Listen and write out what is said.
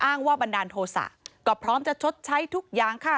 ว่าบันดาลโทษะก็พร้อมจะชดใช้ทุกอย่างค่ะ